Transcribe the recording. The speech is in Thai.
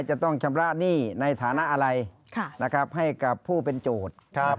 จะต้องชำระหนี้ในฐานะอะไรให้กับผู้เป็นโจทย์